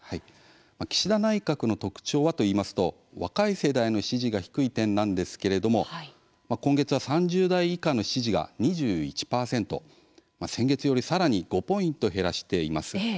岸田内閣の特徴はといいますと若い世代の支持が低い点なんですけれども、今月は３０代以下の支持が２１％先月より、さらに５ポイント減らしています。